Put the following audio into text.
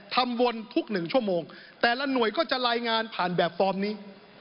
วนทุก๑ชั่วโมงแต่ละหน่วยก็จะรายงานผ่านแบบฟอร์มนี้